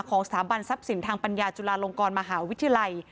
สถาบันทรัพย์สินทางปัญญาจุฬาลงกรมหาวิทยาลัย